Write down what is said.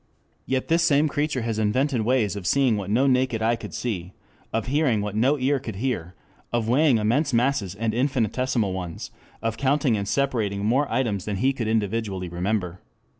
Yet this same creature has invented ways of seeing what no naked eye could see, of hearing what no ear could hear, of weighing immense masses and infinitesimal ones, of counting and separating more items than he can individually remember.